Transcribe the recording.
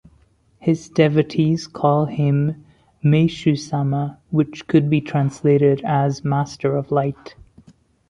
His devotees called him "Meishu-sama", which could be translated as 'Master of Light.